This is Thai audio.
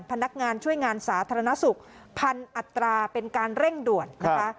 พนักงานช่วยงานสาธารณสุขพันอัตราเป็นการเร่งด่วนนะคะ